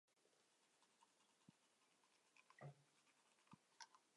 臧儿是西汉初燕王臧荼的孙女。